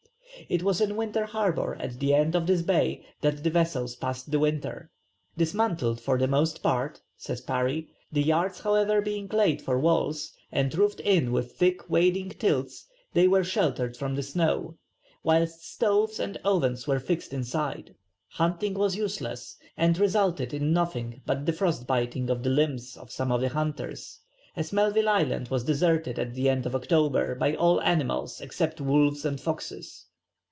It was in Winter Harbour at the end of this bay that the vessels passed the winter. "Dismantled for the most part," says Parry, "the yards however being laid for walls and roofed in with thick wadding tilts, they were sheltered from the snow, whilst stoves and ovens were fixed inside." Hunting was useless, and resulted in nothing but the frost biting of the limbs of some of the hunters, as Melville Island was deserted at the end of October by all animals except wolves and foxes.